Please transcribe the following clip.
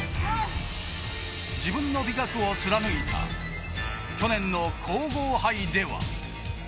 自分の美学を貫いた去年の皇后盃では。